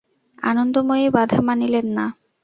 আনন্দময়ী বাধা মানিলেন না।